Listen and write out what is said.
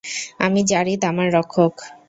আর যারীদ আমার রক্ষক।